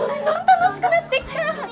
どんどん楽しくなってきた！